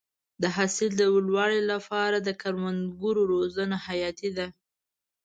د حاصل د لوړوالي لپاره د کروندګرو روزنه حیاتي ده.